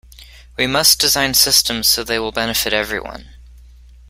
We must design systems so they will benefit everyone